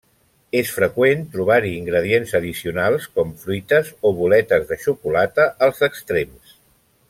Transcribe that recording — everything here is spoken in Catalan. És freqüent trobar-hi ingredients addicionals, com fruites o boletes de xocolata, als extrems.